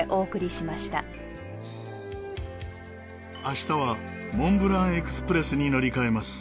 明日はモンブラン・エクスプレスに乗り換えます。